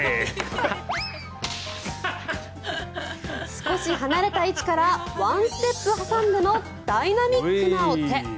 少し離れた位置からワンステップ挟んでのダイナミックなお手。